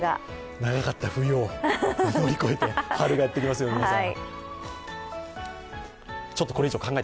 長かった冬を乗り越えて、春がやってきますよ、皆さん。